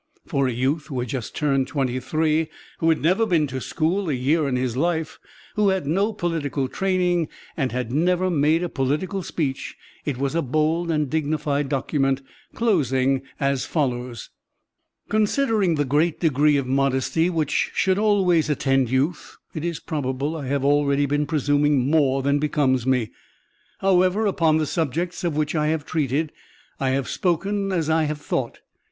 For a youth who had just turned twenty three, who had never been to school a year in his life, who had no political training, and had never made a political speech, it was a bold and dignified document, closing as follows: "Considering the great degree of modesty which should always attend youth, it is probable I have already been presuming more than becomes me. However, upon the subjects of which I have treated, I have spoken as I have thought.